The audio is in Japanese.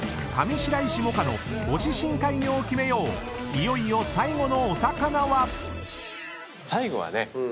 ［いよいよ最後のお魚は］